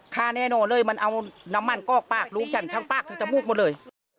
ฆ่าแน่นอนเลยมันเอาน้ำมันกอกปากลูกฉันทั้งปากทั้งจมูกหมดเลย